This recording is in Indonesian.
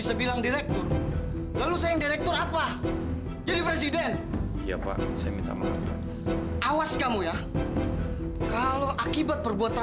sampai jumpa di video selanjutnya